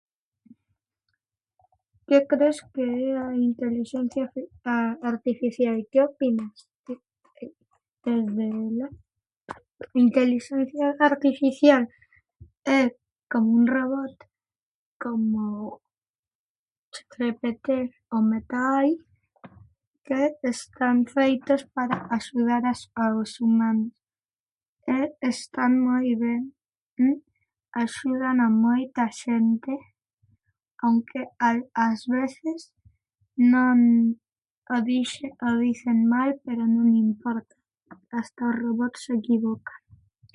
Que cres que é a intelixencia arti- artificial? Que opinas? Intelixencia artificial é como un robot, como Chatgpt ou Meta AI que están feitas para axudar a ao humanos e está moi ben, axudan a moita xente aunque ás ás veces non, o dice mal, pero non importa, hasta o robot se equivoca.